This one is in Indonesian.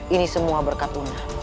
ini semua berkat una